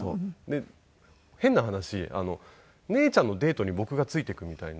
で変な話姉ちゃんのデートに僕がついていくみたいな。